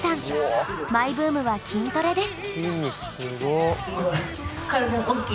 マイブームは筋トレです。